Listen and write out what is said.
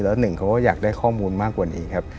แล้วหนึ่งเขาก็อยากได้ข้อมูลมากกว่านี้ครับ